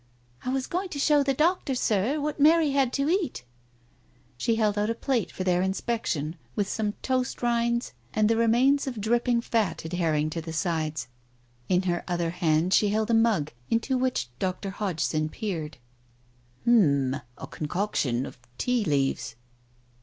" I was going to show the doctor, Sir, what Mary had to eat." She held out a plate for their inspection with some toast rinds and the remains of dripping fat adhering to Digitized by Google 304 TALES OF THE UNEASY the sides. ... In her other hand she held a mug, into which Dr. Hodgson peered. "H'm, a concoction of tea leaves.